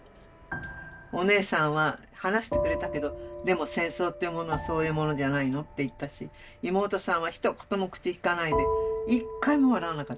お姉さんは話してくれたけどでも戦争というものはそういうものじゃないのって言ったし妹さんはひと言も口きかないで一回も笑わなかった。